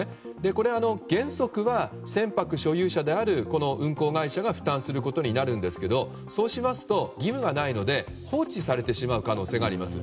これは原則は船舶所有者である運航会社が負担することになるんですがそうしますと義務がないので放置されてしまう可能性があります。